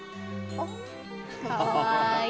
あかわいい。